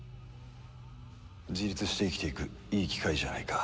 自立して生きていくいい機会じゃないか。